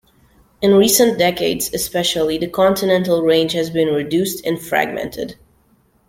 In recent decades, especially, the continental range has been reduced and fragmented.